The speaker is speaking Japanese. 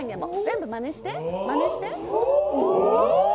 まねして、まねして。